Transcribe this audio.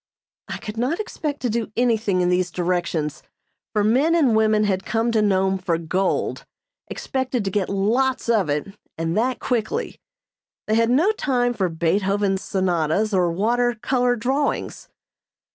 I could not expect to do anything in these directions, for men and women had come to Nome for gold, expected to get lots of it, and that quickly. They had no time for Beethoven's sonatas or water color drawings.